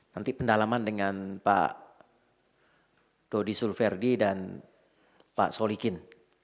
nanti pendalaman dengan pak dodi sulverdi dan pak solikin